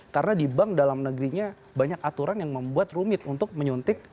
karena di bank dalam negerinya banyak aturan yang membuat rumit untuk menyuntik